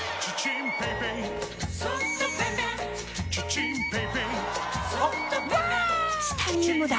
チタニウムだ！